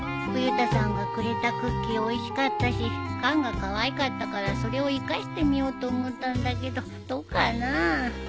冬田さんがくれたクッキーおいしかったし缶がかわいかったからそれを生かしてみようと思ったんだけどどうかな？